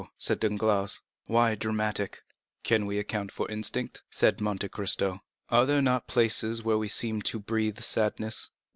said Danglars; "why dramatic?" "Can we account for instinct?" said Monte Cristo. "Are there not some places where we seem to breathe sadness?